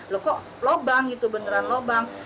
loh kok lobang gitu beneran lobang